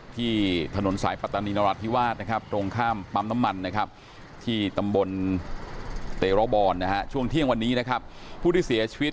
ที่ถนนสายปะตาลีนรัฐพิวาศ